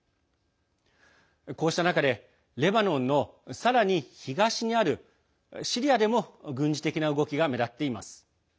こうした中でレバノンのさらに東にあるシリアでも軍事的な動きが目立っています。